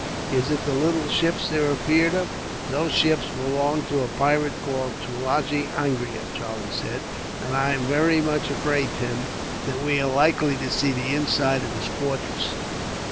Is it the little ships they're afeared of?" "Those ships belong to a pirate called Tulagi Angria," Charlie said, "and I am very much afraid, Tim, that we are likely to see the inside of his fortress."